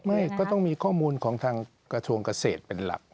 ไม่ต้องมีข้อมูลของทางกระทรวงเกษตรเป็นหลัก